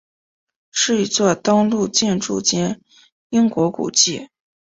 是一座登录建筑兼英国古迹。